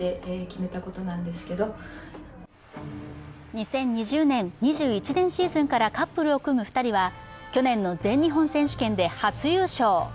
２０２０年、２１年シーズンからカップルを組む２人は去年の全日本選手権で初優勝。